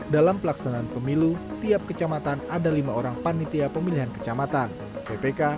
dalam pelaksanaan pemilu tiap kecamatan ada lima orang panitia pemilihan kecamatan ppk